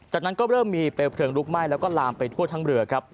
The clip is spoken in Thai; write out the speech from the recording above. จากนั้นก็เริ่มมีเปลวเผลิงลุกไหม้และลามไปทั่วทั้งเมลิเวอร์